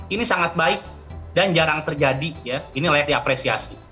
ini sangat baik dan jarang terjadi ini layak diapresiasi